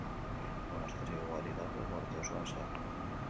Monasterio ugari dago uharte osoan zehar.